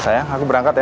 sayang aku berangkat ya